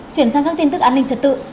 chuyển sang các tin tức an ninh trật tự